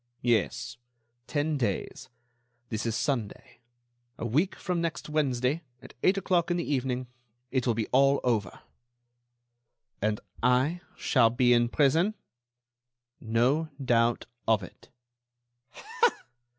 "Yes, ten days. This is Sunday. A week from next Wednesday, at eight o'clock in the evening, it will be all over." "And I shall be in prison?" "No doubt of it."